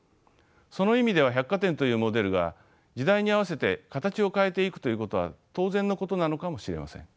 その意味では百貨店というモデルが時代に合わせて形を変えていくということは当然のことなのかもしれません。